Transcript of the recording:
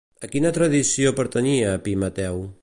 A quina tradició pertanyia Epimeteu?